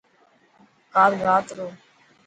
ڪال رات رو.